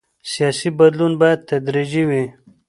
سیاسي بدلون باید تدریجي وي